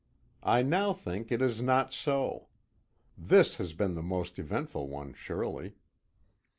I now think it is not so. This has been the most eventful one surely.